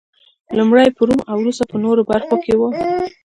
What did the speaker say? لومړی په روم او وروسته په نورو برخو کې و